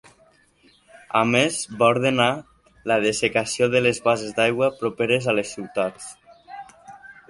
A més va ordenar la dessecació de les basses d'aigua properes a les ciutats.